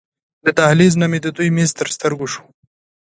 له دهلېز نه مې د دوی میز تر سترګو شو.